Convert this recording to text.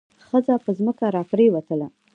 ښځه په ځمکه را پریوتله.